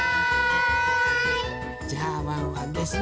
じゃあワンワンですね。